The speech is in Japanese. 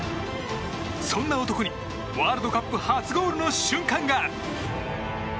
そんな男にワールドカップ初ゴールの瞬間が。